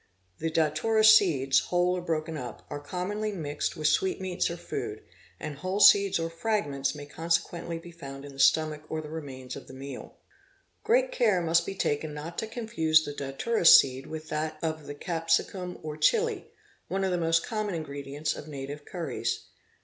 The datura seeds—whole or broken up—are . commonly mixed with sweetmeats or food, and whole seeds or fragments may consequently be found in the stomach or the remains of the meal. Great care must be taken not to confuse the datwra seed with that of the Capsicum or Chili, one of the most common ingredients of native curries.